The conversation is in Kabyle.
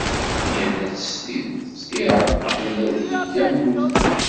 Yerra-tt d tidet, iεewwel ad yeg am nutni.